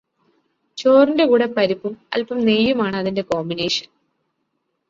ചോറിന്റെ കൂടെ പരിപ്പും അല്പം നെയ്യുമാണതിന്റെ കോമ്പിനേഷൻ